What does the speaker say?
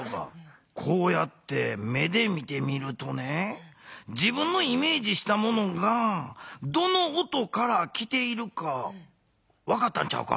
こうやって目で見てみるとね自分のイメージしたものがどの音から来ているかわかったんちゃうか？